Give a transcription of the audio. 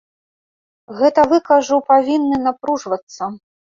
Гэта вы, кажу, павінны напружвацца.